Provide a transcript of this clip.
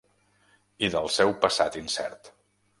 I del seu passat incert.